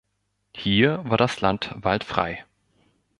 Hier war das Land waldfrei.